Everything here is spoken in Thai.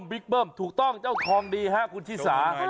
เบิ้มถูกต้องเจ้าทองดีฮะคุณชิสา